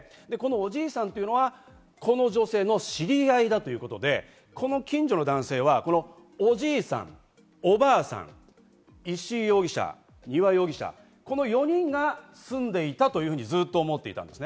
おじいさんはこの女性の知り合いだということで近所の男性はおじいさん、おばあさん、石井容疑者、丹羽容疑者、４人が住んでいたというふうに、ずっと思っていたんです。